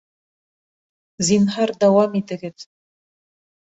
Зинһар, дауам итегеҙ